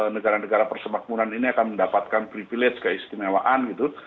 negara negara persemakmuran ini akan mendapatkan privilege keistimewaan gitu